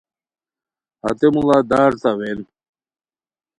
ہتے موڑا دار تاوین